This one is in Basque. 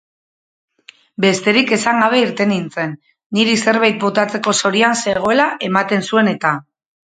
Besterik esan gabe irten nintzen, niri zerbait botatzeko zorian zegoela ematen zuen-eta.